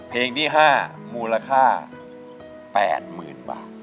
เพลงที่๕มูลค่า๘๐๐๐บาท